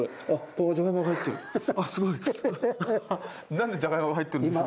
なんでじゃがいも入ってるんですか？